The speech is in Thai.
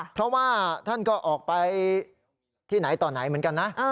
เพราะว่าท่านก็ออกไปที่ไหนต่อไหนเหมือนกันนะ